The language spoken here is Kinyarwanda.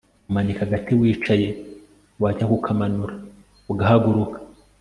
umanika agati wicaye wajya kukamanura ugahaguruka